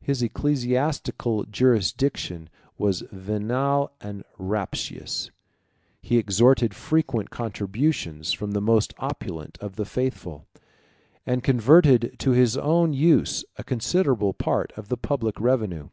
126 His ecclesiastical jurisdiction was venal and rapacious; he extorted frequent contributions from the most opulent of the faithful, and converted to his own use a considerable part of the public revenue.